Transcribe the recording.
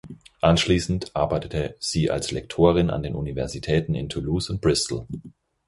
Anschließend arbeitete sie als Lektorin an den Universitäten in Toulouse und Bristol.